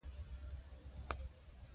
خیاطی وکړئ.